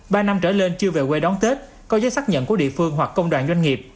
ba năm trở lên chưa về quê đón tết có giấy xác nhận của địa phương hoặc công đoàn doanh nghiệp